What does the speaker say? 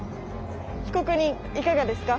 被告人いかがですか。